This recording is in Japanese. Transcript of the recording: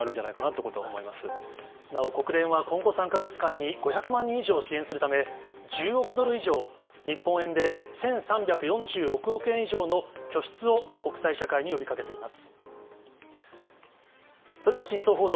今回、国連は今後３か月間に、５００万人以上を支援するため、１０億ドル以上、日本円で１３４６億円の拠出を、国際社会に呼びかけています。